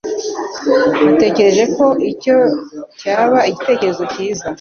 Natekereje ko icyo cyaba igitekerezo cyiza.